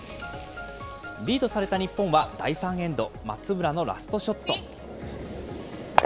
リードされた日本は、第３エンド、松村のラストショット。